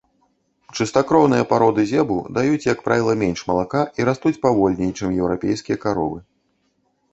Чыстакроўныя пароды зебу даюць, як правіла, менш малака і растуць павольней, чым еўрапейскія каровы.